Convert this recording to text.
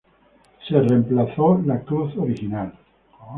La cruz original fue reemplazada.